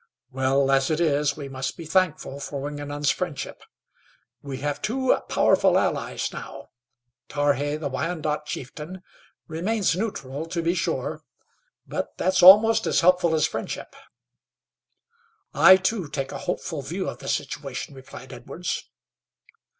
Well, as it is we must be thankful for Wingenund's friendship. We have two powerful allies now. Tarhe, the Wyandot chieftain, remains neutral, to be sure, but that's almost as helpful as his friendship." "I, too, take a hopeful view of the situation," replied Edwards.